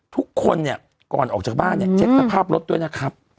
ทุกคนเนี่ยก่อนออกจากบ้านเนี่ยเช็คสภาพรถด้วยนะครับ